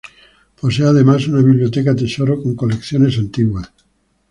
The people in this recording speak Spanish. Posee además una Biblioteca Tesoro, con colecciones antiguas.